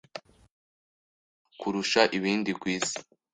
gikorwa kurusha ibindi kw’isi